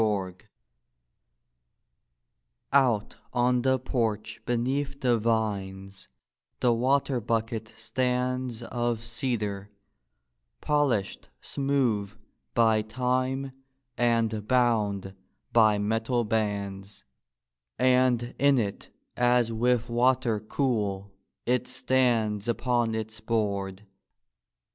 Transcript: I I 3 ON the porch beneath the vines the water bucket stands Of cedar, polished smooth by time and bound by metal bands; And in it, as with wa¬ ter cool it stands upon its board.